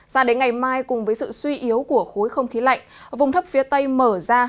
ra đến ngày mai cùng với sự suy yếu của khối không khí lạnh vùng thấp phía tây mở ra